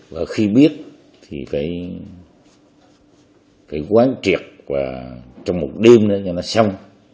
và khi biết thì phải quán triệt và trong một đêm nữa cho nó xong